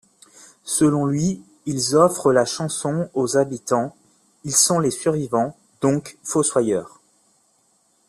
Selon lui, ils offrent la chanson aux habitants, ils sont les survivants, donc Fossoyeurs.